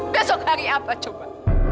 besok hari apa coba